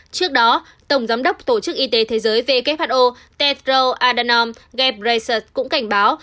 trước đó tổng giám đốc tổ chức y tế thế giới who tedro adhanom ghebreyesus cũng cảnh báo